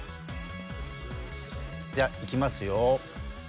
じゃあいきますよ。